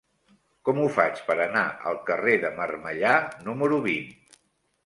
Com ho faig per anar al carrer de Marmellà número vint?